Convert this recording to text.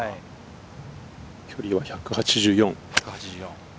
距離は１８４。